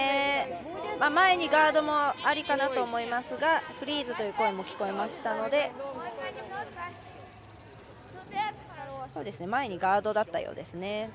前にガードもありかなと思いますがフリーズという声も聞こえましたので前にガードだったようですね。